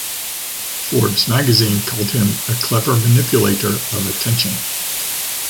Forbes magazine called him “a clever manipulator of attention”.